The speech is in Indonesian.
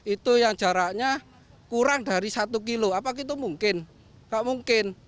itu yang jaraknya kurang dari satu kilo apakah itu mungkin gak mungkin